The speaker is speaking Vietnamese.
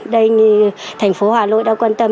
đây như thành phố hà nội đã quan tâm